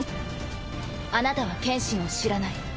あなたは剣心を知らない。